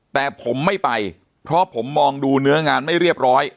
แต่ผมไม่ไปเพราะผมมองดูเนื้องานไม่เรียบร้อย